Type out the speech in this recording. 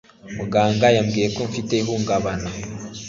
Muganga yambwiye ko mfite ihungabana.